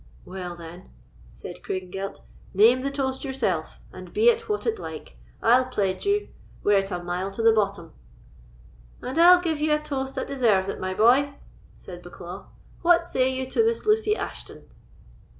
"Well, then," said Craigengelt, "name the toast yourself, and be it what it like, I'll pledge you, were it a mile to the bottom." "And I'll give you a toast that deserves it, my boy," said Bucklaw; "what say you to Miss Lucy Ashton?"